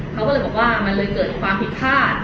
เขาก็เลยบอกว่ามันเลยเกิดความผิดพลาด